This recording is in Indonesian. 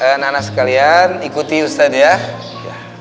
anak anak sekalian ikuti ustadz ya